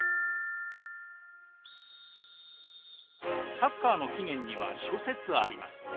サッカーの起源には諸説あります。